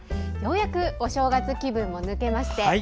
ようやくお正月気分も抜けまして